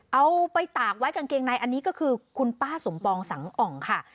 เอาไปตากไว้กางเกงในอันนี้ก็คือคุณป้าสมปองสังอ่องค่ะ